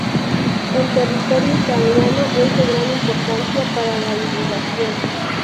En territorio italiano es de gran importancia para la irrigación.